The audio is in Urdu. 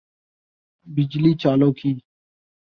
بجلی چالو کی